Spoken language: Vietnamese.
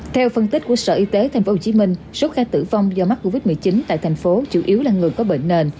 theo phân tích của sở y tế tp hcm số ca tử vong do mắc covid một mươi chín tại thành phố chủ yếu là người có bệnh nền